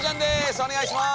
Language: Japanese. お願いします。